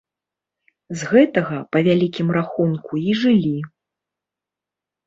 З гэтага, па вялікім рахунку, і жылі.